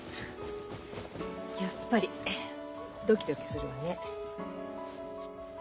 やっぱりドキドキするわね。